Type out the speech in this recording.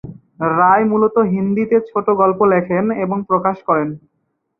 রায় মূলত হিন্দিতে ছোট গল্প লেখেন এবং প্রকাশ করেন।